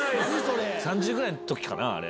３０ぐらいの時かな